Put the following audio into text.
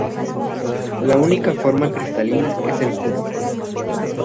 La única forma cristalina es el cubo.